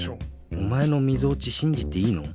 おまえのみぞおちしんじていいの？